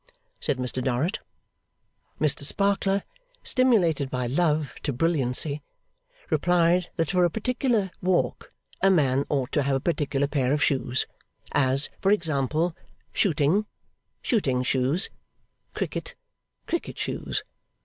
said Mr Dorrit. Mr Sparkler, stimulated by Love to brilliancy, replied that for a particular walk a man ought to have a particular pair of shoes; as, for example, shooting, shooting shoes; cricket, cricket shoes.